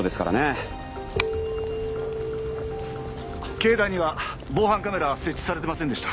境内には防犯カメラは設置されていませんでした。